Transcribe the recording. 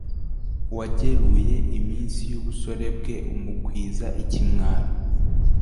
wageruye iminsi y'ubusore bwe, umukwiza ikimwaro